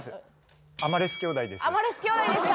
アマレス兄弟でした。